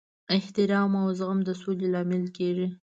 احترام او زغم د سولې لامل کیږي.